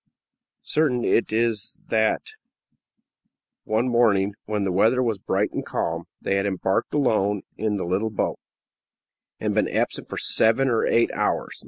Certain it is that one morning, when the weather was bright and calm, they had embarked alone in the little boat, and been absent for seven or eight hours.